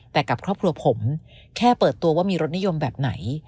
แต่กับครอบครัวผมแค่เปิดตัวว่ามีรสนิยมแบบไหน